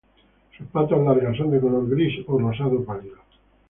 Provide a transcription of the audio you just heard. Sus patas largas son de color gris o rosado pálido.